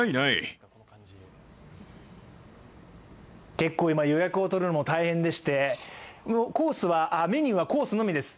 結構、今予約を取るのも大変でしてメニューはコースのみです。